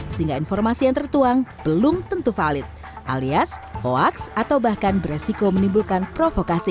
sehingga informasi yang tertuang belum tentu valid alias hoaks atau bahkan beresiko menimbulkan provokasi